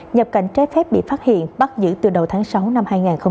nhập cảnh trái phép bị phát hiện bắt giữ từ đầu tháng sáu năm hai nghìn hai mươi